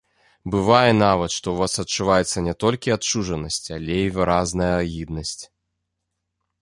Бывае нават, што ў вас адчуваецца не толькі адчужанасць, але і выразная агіднасць.